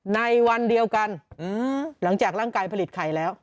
ในวันเดียวกันหลังจากร่างกายผลิตไข่แล้ว